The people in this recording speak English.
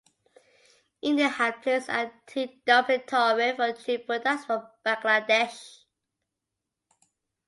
India had placed anti dumping tariff on jute products from Bangladesh.